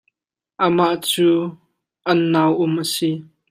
Amah cu an nauum a si.